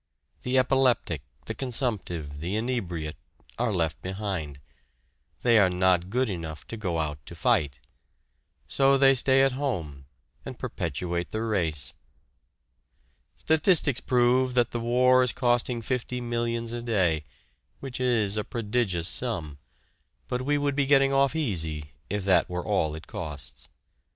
The epileptic, the consumptive, the inebriate, are left behind. They are not good enough to go out to fight. So they stay at home, and perpetuate the race! Statistics prove that the war is costing fifty millions a day, which is a prodigious sum, but we would be getting off easy if that were all it costs.